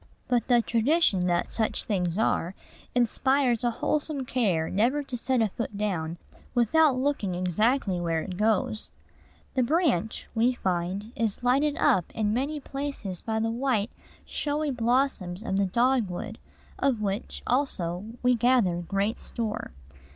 But the tradition that such things are inspires a wholesome care never to set a foot down without looking exactly where it goes. "The branch," we find, is lighted up in many places by the white, showy blossoms of the dogwood, of which, also, we gather great store.